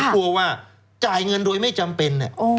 กลัวว่าจ่ายเงินโดยไม่จำเป็น